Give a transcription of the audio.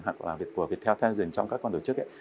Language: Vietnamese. hoặc là việc của viettel townsend trong các con tổ chức